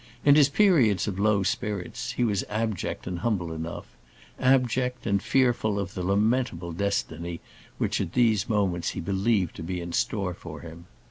In his periods of low spirits, he was abject and humble enough; abject, and fearful of the lamentable destiny which at these moments he believed to be in store for him.